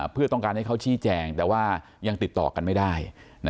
เพื่อต้องการให้เขาชี้แจงแต่ว่ายังติดต่อกันไม่ได้